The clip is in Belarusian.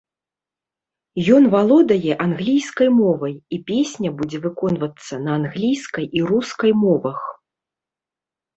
Ён валодае англійскай мовай, і песня будзе выконвацца на англійскай і рускай мовах.